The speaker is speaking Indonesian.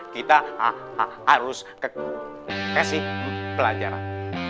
kita harus kasih pelajaran